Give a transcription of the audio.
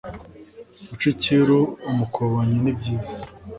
guca icyiru umukobanyi nibyiza